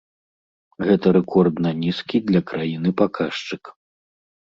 Гэта рэкордна нізкі для краіны паказчык.